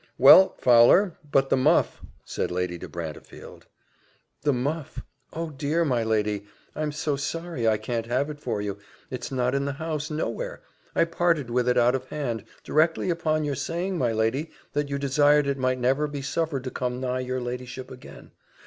"Well, Fowler, but the muff," said Lady de Brantefield. "The muff oh! dear, my lady, I'm so sorry I can't have it for you it's not in the house nowhere I parted with it out of hand directly upon your saying, my lady, that you desired it might never be suffered to come nigh your ladyship again.